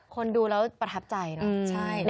คนดูแล้วประทับใจเนอะ